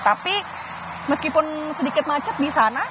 tapi meskipun sedikit macet disana